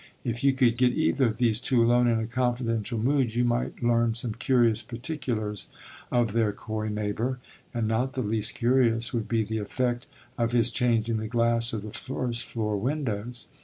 If you could get either of these two alone in a confidential mood you might learn some curious particulars of their coy neighbour; and not the least curious would be the effect of his changing the glass of the first floor windows.